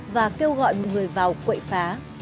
và kêu gọi người vào quậy phá